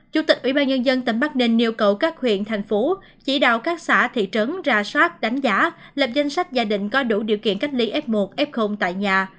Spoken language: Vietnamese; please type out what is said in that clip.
chủ tịch ubnd tỉnh bắc ninh yêu cầu các huyện thành phố chỉ đạo các xã thị trấn ra soát đánh giá lập danh sách gia đình có đủ điều kiện cách ly f một f tại nhà